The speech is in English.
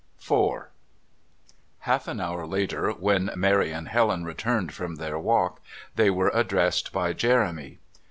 IV Half an hour later, when Mary and Helen returned from their walk, they were addressed by Jeremy.